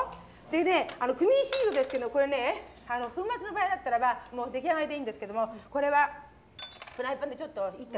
でねクミンシードですけどこれね粉末の場合だったらばもう出来上がりでいいんですけどもこれはフライパンでちょっと煎ってあります。